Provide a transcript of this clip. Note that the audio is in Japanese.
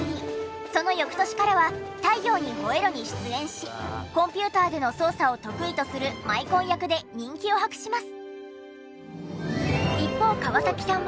その翌年からは『太陽にほえろ！』に出演しコンピューターでの捜査を得意とするマイコン役で人気を博します。